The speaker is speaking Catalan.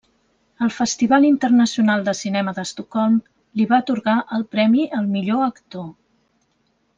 El Festival Internacional de Cinema d'Estocolm li va atorgar el premi al Millor Actor.